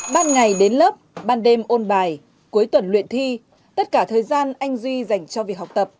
ban ngày đến lớp ban đêm ôn bài cuối tuần luyện thi tất cả thời gian anh duy dành cho việc học tập